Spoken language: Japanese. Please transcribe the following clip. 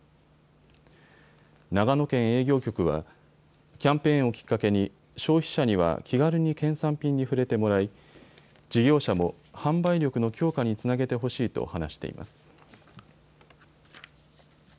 長野県営業局はキャンペーンをきっかけに消費者には気軽に県産品に触れてもらい事業者も販売力の強化につなげてほしいと話しています。